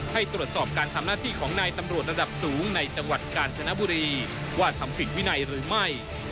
ให้ตรวจสอบการทำหน้าที่ของนายตำรวจระดับสูงในจังหวัดกาญจนบุรีว่าทำผิดวินัยหรือไม่